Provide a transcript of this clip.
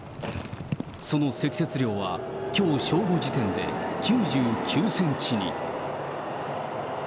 その積雪量はきょう正午時点で９９センチに。